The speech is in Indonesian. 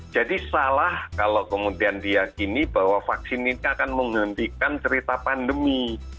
jadi salah kalau kemudian diakini bahwa vaksin ini akan menghentikan cerita pandemi